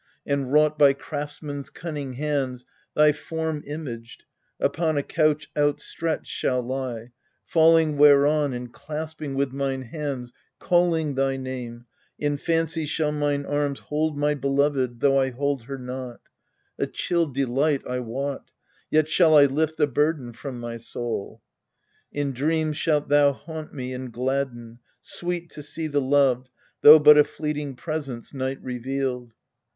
And, wrought by craftsmen's cunning hands, thy form Imaged, upon a couch outstretched shall lie, Falling whereon, and clasping with mine hands, Calling thy name, in fancy shall mine arms Hold my beloved, though I hold her not A chill delight, I wot yet shall I lift The burden from my soul. In dreams shalt thou Haunt me and gladden : sweet to see the loved, Though but a fleeting presence night revealed.